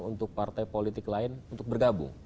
untuk partai politik lain untuk bergabung